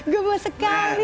gue mau sekali